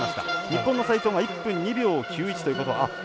日本の齋藤が１分２秒９１ということ。